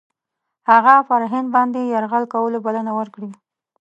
هغه پر هند باندي یرغل کولو بلنه ورکړې.